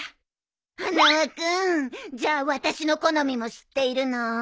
花輪君じゃあ私の好みも知っているの？